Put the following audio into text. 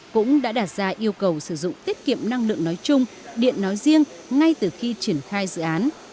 cũng đã đạt ra yêu cầu sử dụng tiết kiệm năng lượng nói chung điện nói riêng ngay từ khi triển khai dự án